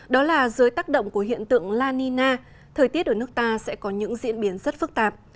đó là dưới tác động của hiện tượng la nina thời tiết ở nước ta sẽ có những diễn biến rất phức tạp